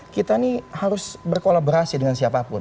kita ini harus berkolaborasi dengan siapapun